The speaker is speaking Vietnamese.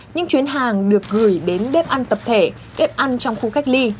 những chuyến hàng được gửi đến bếp ăn tập thể bếp ăn trong khu cách ly